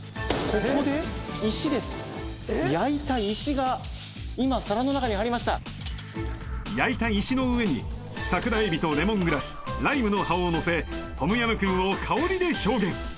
ここで焼いた石が今皿の中に入りました焼いた石の上に桜エビとレモングラスライムの葉をのせトムヤムクンを香りで表現